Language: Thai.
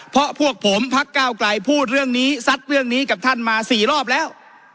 เพราะพวกผมพักก้าวไกลพูดเรื่องนี้ซัดเรื่องนี้กับท่านมา๔รอบแล้ว